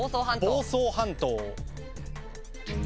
房総半島。